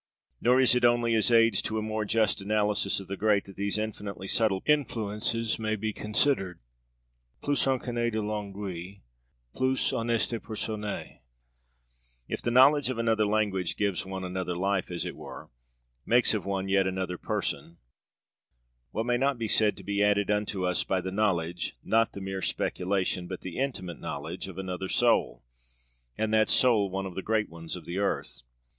Nor is it only as aids to a more just analysis of the great that these infinitely subtle influences may be considered. Plus on connait de langues plus on est de personnes. If the knowledge of another language gives one another life, as it were, makes of one yet another person, what may not be said to be added unto us by the knowledge not the mere speculation, but the intimate knowledge of another soul, and that soul one of the great ones of the earth?